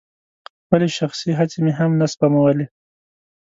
خپلې شخصي هڅې مې هم نه سپمولې.